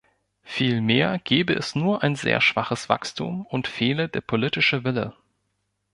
Vielmehr gebe es nur ein sehr schwaches Wachstum und fehle der politische Wille.